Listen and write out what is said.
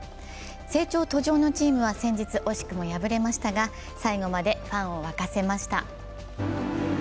成長途上のチームは先日惜しくも敗れましたが最後までファンを沸かせました。